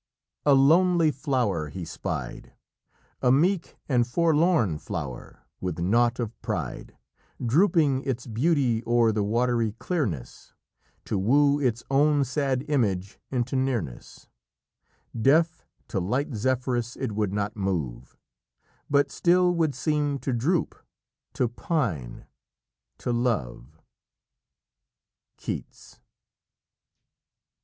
"A lonely flower he spied, A meek and forlorn flower, with naught of pride, Drooping its beauty o'er the watery clearness, To woo its own sad image into nearness; Deaf to light Zephyrus it would not move, But still would seem to droop, to pine, to love." Keats.